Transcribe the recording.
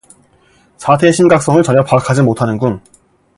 사태의 심각성을 전혀 파악하지 못하는군.